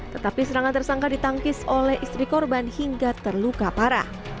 tetapi serangan tersangka ditangkis oleh istri korban hingga terluka parah